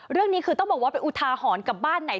เรื่องนี้คือต้องบอกว่าเป็นอุทาหรณ์กับบ้านไหน